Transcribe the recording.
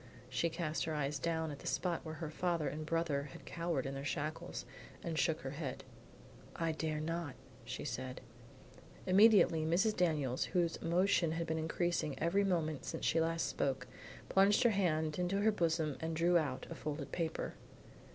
She cast her eye down at the spot where her father and brother had cowered in their shackles, and shook her head. "I dare not," said she. Immediately Mrs. Daniels, whose emotion had been increasing every moment since she last spoke, plunged her hand into her bosom and drew out a folded paper.